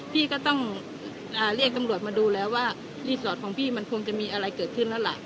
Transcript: พี่ก็ต้องอ่าเรียกกำลัวมาดูแล้วว่าพี่มันคงจะมีอะไรเกิดขึ้นแล้วล่ะ